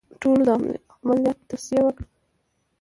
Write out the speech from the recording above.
ټولو د عملیات توصیه وکړه.